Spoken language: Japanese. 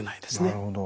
なるほど。